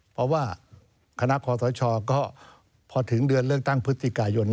เพราะว่าคณะคอสชก็พอถึงเดือนเลือกตั้งพฤศจิกายน